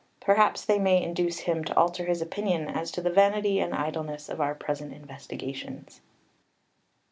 Perhaps they may induce him to alter his opinion as to the vanity and idleness of our present investigations.